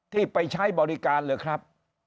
ที่ไปใช้บริการเหรอครับ